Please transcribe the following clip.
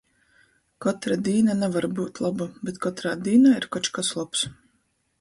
Kotra dīna navar byut loba, bet kotrā dīnā ir koč kas lobs...